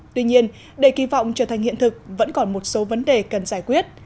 tuy nhiên để kỳ vọng trở thành hiện thực vẫn còn một số vấn đề cần giải quyết